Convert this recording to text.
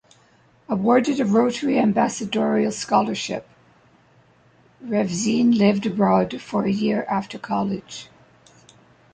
Awarded a Rotary Ambassadorial Scholarship, Revsine lived abroad for a year after college.